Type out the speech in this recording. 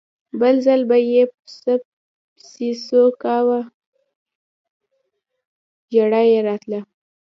بل ځل به یې پسه پسې څو کاوه ژړا یې راتله.